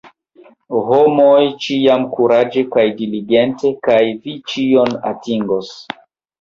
Homoj, ĉiam kuraĝe kaj diligente, kaj vi ĉion atingos!